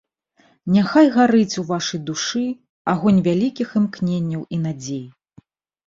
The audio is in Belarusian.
Няхай гарыць у вашай душы агонь вялікіх імкненняў і надзей.